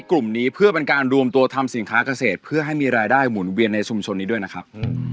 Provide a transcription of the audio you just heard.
การตัวทำสินค้าเกษตรเพื่อให้มีรายได้หมุนเวียนในชุมชนนี้ด้วยนะครับ